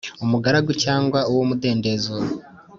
Umugaragu cyangwa uw’ umudendezo